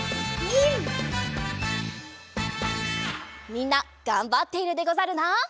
みんながんばっているでござるな。